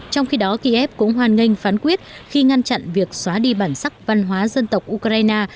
trong khi đó kiev cũng hoan nghênh phán quyết khi ngăn chặn việc xóa đi bản sắc văn hóa dân tộc ukraine